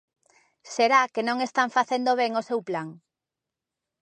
Será que non están facendo ben o seu plan.